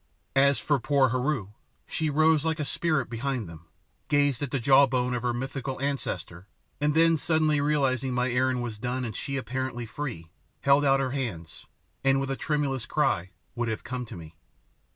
As for poor Heru, she rose like a spirit behind them, gazed at the jaw bone of her mythical ancestor, and then suddenly realising my errand was done and she apparently free, held out her hands, and, with a tremulous cry, would have come to me.